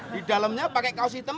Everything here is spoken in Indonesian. di dalamnya pakai kaos hitam